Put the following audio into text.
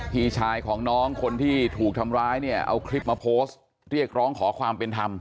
พี่ชายของน้องคนที่ถูกทำร้ายเนี่ยเอาคลิปมาโพสต์เรียกร้องขอความเป็นธรรม